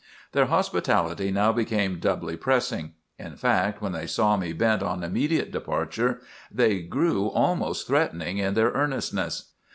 "Their hospitality now became doubly pressing. In fact, when they saw me bent on immediate departure, they grew almost threatening in their earnestness.